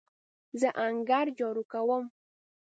زه انګړ جارو کوم.